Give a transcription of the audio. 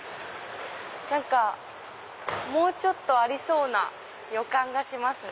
何かもうちょっとありそうな予感がしますね。